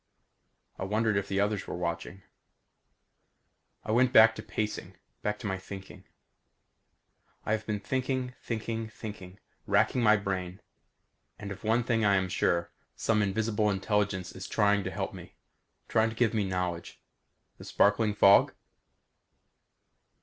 I wondered if the others were watching. I went back to pacing; back to my thinking. I have been thinking, thinking, thinking; wracking my brain. And of one thing I am sure. Some invisible intelligence is trying to help me; trying to give me knowledge. The sparkling fog?